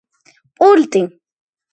პულტი